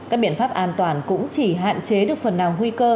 các biện pháp an toàn cũng chỉ hạn chế được phần nào nguy cơ